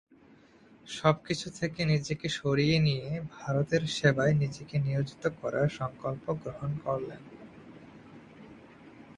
সব কিছু থেকে নিজেকে সরিয়ে নিয়ে ভারতের সেবায় নিজেকে নিয়োজিত করার সংকল্প গ্রহণ করলেন।